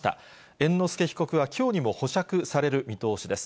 猿之助被告はきょうにも保釈される見通しです。